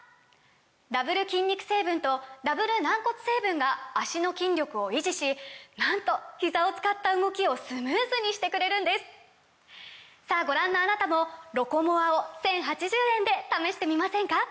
ダブル筋肉成分とダブル軟骨成分が脚の筋力を維持しなんとひざを使った動きをスムーズにしてくれるんですさぁご覧のあなたも「ロコモア」を１，０８０円で試してみませんか！